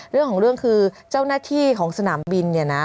เรื่องของเรื่องคือเจ้าหน้าที่ของสนามบินเนี่ยนะ